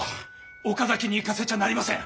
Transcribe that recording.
岡崎に行かせちゃなりません。